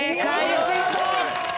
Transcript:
お見事！